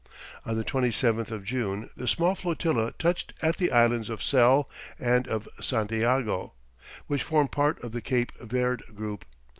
On the 27th of June the small flotilla touched at the islands of Sel and of Santiago, which form part of the Cape Verd group.